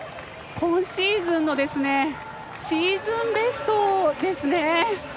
今シーズンのシーズンベストですね。